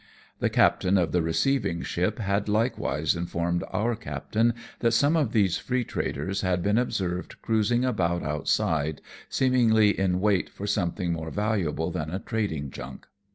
The captain of the receiving ship had likewise informed our captain that some of these freetraders had been observed cruising about outside, seemingly in wait for something more valuable than a trading junk.